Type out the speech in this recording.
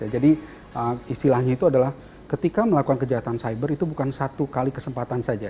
jadi istilahnya itu adalah ketika melakukan kejahatan siber itu bukan satu kali kesempatan saja